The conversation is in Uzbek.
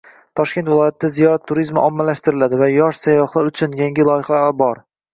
Toshkent viloyatida ziyorat turizmi ommalashtiriladi va “Yosh sayyohlar uchun” yangi loyihalar bor